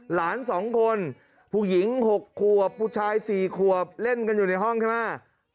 หลาน๒คนผู้หญิง๖ขวบผู้ชาย๔ขวบเล่นกันอยู่ในห้องใช่ไหม